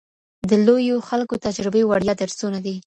د لویو خلکو تجربې وړیا درسونه دي.